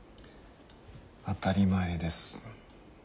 当たり前です。